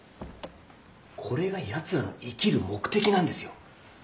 これがやつらの生きる目的なんですよ。